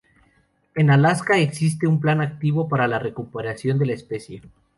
En Alaska existe un plan activo para la recuperación de la especie.